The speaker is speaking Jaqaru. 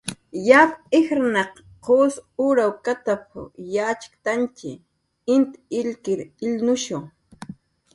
"Yap ijrnaq qus urawkatap"" yatxktantx, int illkir illnushu "